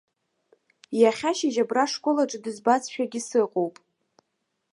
Иахьа ашьыжь абра ашкол аҿы дызбазшәагьы сыҟоуп.